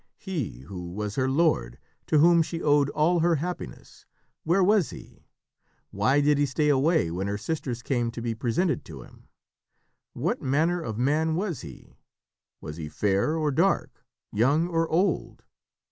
He who was her lord, to whom she owed all her happiness, where was he? Why did he stay away when her sisters came to be presented to him? What manner of man was he? Was he fair or dark? Young or old?